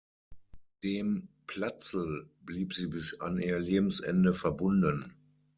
Dem "Platzl" blieb sie bis an ihr Lebensende verbunden.